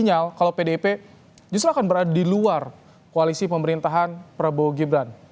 sinyal kalau pdip justru akan berada di luar koalisi pemerintahan prabowo gibran